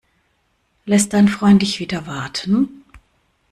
Lässt dein Freund dich wieder warten?